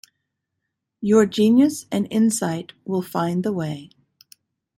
Your genius and insight will find the way.